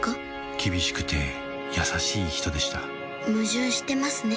厳しくて優しい人でした矛盾してますね